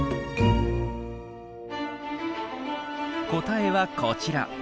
答えはこちら。